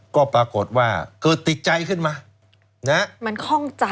ก็ปรากฏว่าเกิดติดใจขึ้นมามันคล่องใจ